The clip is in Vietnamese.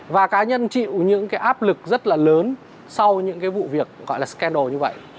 và cá nhân chịu những cái áp lực rất là lớn sau những cái vụ việc gọi là scandal như vậy